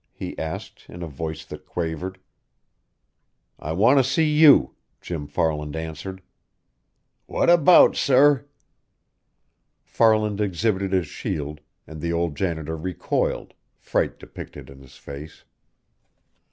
he asked, in a voice that quavered. "I want to see you," Jim Farland answered. "What about, sir?" Farland exhibited his shield, and the old janitor recoiled, fright depicted in his face.